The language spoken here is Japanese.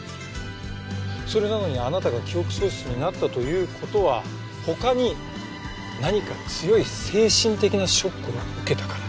それなのにあなたが記憶喪失になったという事は他に何か強い精神的なショックを受けたから。